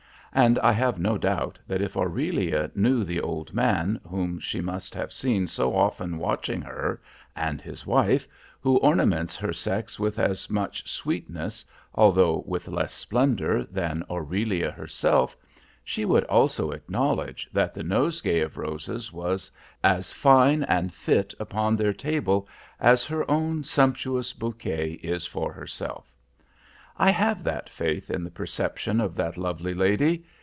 And I have no doubt that if Aurelia knew the old man, whom she must have seen so often watching her, and his wife, who ornaments her sex with as much sweetness, although with less splendor, than Aurelia herself, she would also acknowledge that the nosegay of roses was as fine and fit upon their table as her own sumptuous bouquet is for herself. I have that faith in the perception of that lovely lady.